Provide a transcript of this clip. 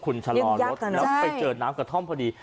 คุณชะลอรถแล้วไปเจอน้ำกระท่อมพอดี